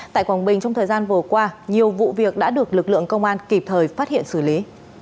tại quảng bình trong thời gian vừa qua nhiều vụ việc đã được lực lượng công an kịp thời phát hiện xử lý